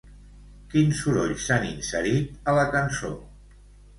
Quins sorolls s'han inserit a la cançó?